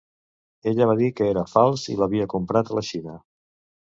Ella va dir que era fals i l’havia comprat a la Xina.